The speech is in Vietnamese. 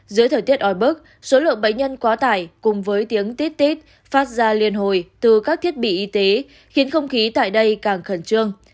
dưới thời tiết ói bức số lượng bệnh nhân quá tải cùng với tiếng tiết tít phát ra liên hồi từ các thiết bị y tế khiến không khí tại đây càng khẩn trương